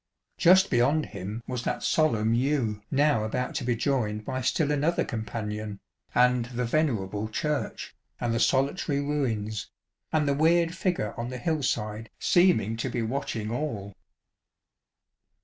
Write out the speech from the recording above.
Just beyond him was that solemn yew now about to be joined by still another companion, and the venerable church, and the solitary ruins, and the weird fissure on the hill side seemine: to be watching^ all.